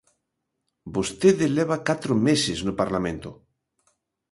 Vostede leva catro meses no Parlamento.